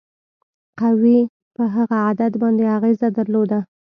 قوې په هغه عدد باندې اغیزه درلوده.